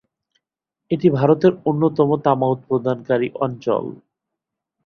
এটি ভারতের অন্যতম তামা উৎপাদনকারী অঞ্চল।